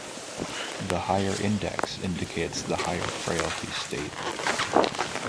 The higher index indicates the higher frailty state.